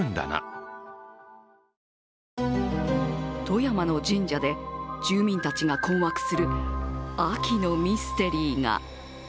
富山の神社で住民たちが困惑する秋のミステリーが。